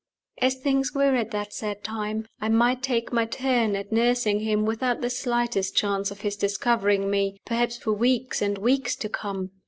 As things were at that sad time, I might take my turn at nursing him, without the slightest chance of his discovering me, perhaps for weeks and weeks to come.